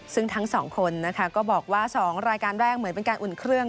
ซึ่งทั้งสองคนนะคะก็บอกว่า๒รายการแรกเหมือนเป็นการอุ่นเครื่อง